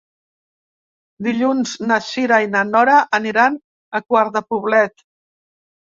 Dilluns na Cira i na Nora aniran a Quart de Poblet.